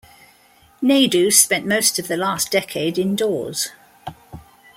Naidu spent most of the last decade indoors.